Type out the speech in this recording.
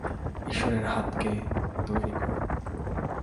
ঈশ্বরের হাতকে তৈরি করো!